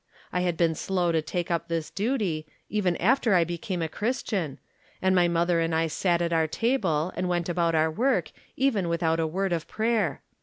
I had been slow to take up this duty, even after I became a Christian, and my mother and I sat at our table and went about our work without even a word of prayer.